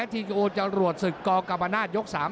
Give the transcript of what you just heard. ติดตามยังน้อยกว่า